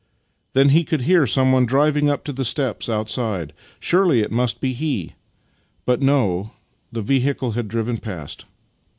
Then he could hear someone driving up to the steps outside. Surely it must be he? But no — the vehicle had driven past.